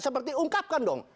seperti ungkapkan dong